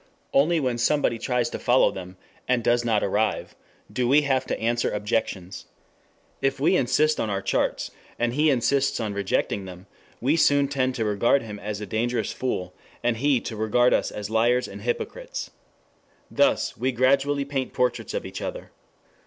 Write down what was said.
Only when somebody tries to follow them, and does not arrive, do we have to answer objections. If we insist on our charts, and he insists on rejecting them, we soon tend to regard him as a dangerous fool, and he to regard us as liars and hypocrites. Thus we gradually paint portraits of each other.